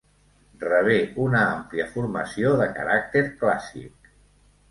Rebé una àmplia formació de caràcter clàssic.